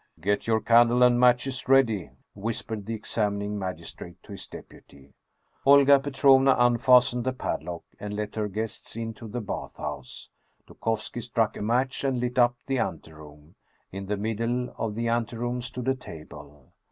" Get your candle and matches ready," whispered the examining magistrate to his deputy. Olga Petrovna unfastened the padlock, and let her guests into the bath house. Dukovski struck a match and lit up the anteroom. In the middle of the anteroom stood a table.